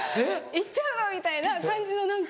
行っちゃうの⁉みたいな感じの何か。